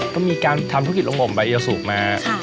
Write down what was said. ก็มีการทำธุรกิจโรงบมบายยสูงมา